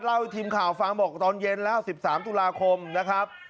เล่าให้ทีมข่าวฟังบอกตอนเย็นแล้ว๑๓ตุลาคมนะครับ